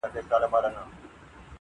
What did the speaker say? • د شداد او د توبې یې سره څه,